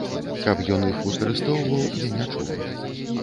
Каб ён іх выкарыстоўваў, я не чула.